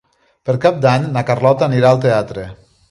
Per Cap d'Any na Carlota anirà al teatre.